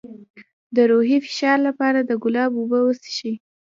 د روحي فشار لپاره د ګلاب اوبه وڅښئ